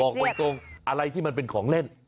บอกตรงอะไรที่มันเป็นของเล่น